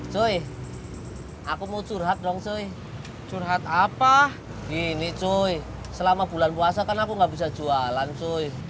coy aku mau curhat dong soe curhat apa gini cuy selama bulan puasa kan aku nggak bisa jualan cui